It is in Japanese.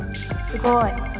すごい。